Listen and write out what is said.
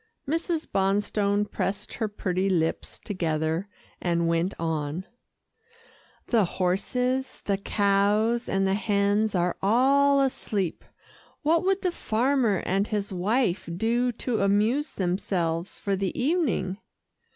Mrs. Bonstone pressed her pretty lips together, and went on, "The horses, the cows and the hens are all asleep. What would the farmer and his wife do to amuse themselves for the evening?"